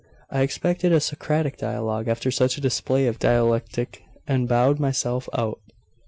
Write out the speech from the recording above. I expected a Socratic dialogue after such a display of dialectic, and bowed myself out.